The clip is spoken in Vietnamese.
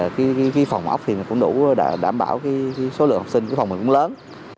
thì cái phòng ốc thì cũng đủ đảm bảo số lượng học sinh cái phòng này cũng lớn